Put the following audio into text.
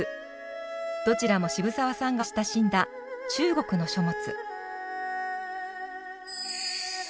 どちらも渋沢さんが親しんだ中国の書物。